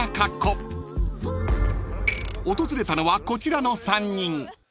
［訪れたのはこちらの３人］